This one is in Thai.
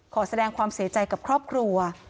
ขอแสดงความเสียใจกับครอบครัว